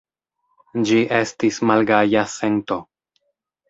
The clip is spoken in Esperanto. Ĝi estis malgaja sento.